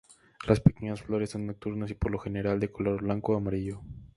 Las pequeñas flores son nocturnas y por lo general de color blanco o amarillo.